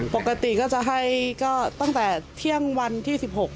ปกติก็จะให้ก็ตั้งแต่เที่ยงวันที่๑๖